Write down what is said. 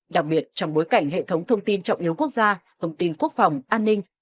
đặc biệt trong bối cảnh hệ thống thông tin trọng yếu quốc gia thông tin quốc phòng an ninh